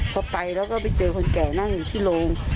พอไปแล้วก็ไปเจอคนแก่นั่งอยู่ที่โรง